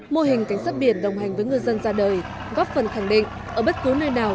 mô hình cảnh sát biển đồng hành với ngư dân ra đời góp phần khẳng định ở bất cứ nơi nào